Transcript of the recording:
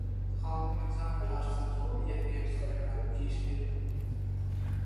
Խաղում է ծանր հարձակվողի և կենտրոնականի դիրքերում։